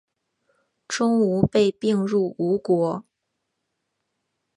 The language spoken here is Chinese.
钟吾被并入吴国。